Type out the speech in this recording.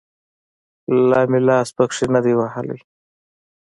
لا مې لاس پکښې نه دى وهلى.